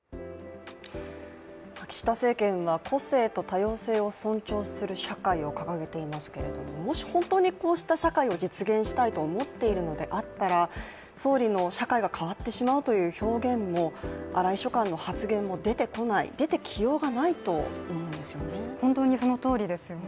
岸田政権は個性と多様性を尊重する社会を掲げていますけれども、もし本当にこうした社会を実現したいと思っているのであったら総理の社会が変わってしまうとの表現も、荒井秘書官の発言も出てこない、出てきようがないと思うんですよね。